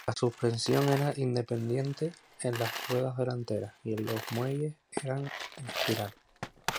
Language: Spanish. La suspensión era independiente en las ruedas delanteras y los muelles eran en espiral.